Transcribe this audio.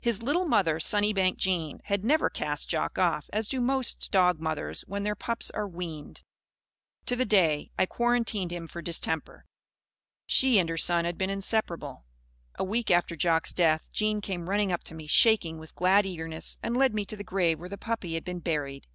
His little mother, Sunnybank Jean, had never cast Jock off, as do most dog mothers when their pups are weaned. To the day I quarantined him for distemper, she and her son had been inseparable. A week after Jock's death, Jean came running up to me, shaking with glad eagerness, and led me to the grave where the puppy had been buried.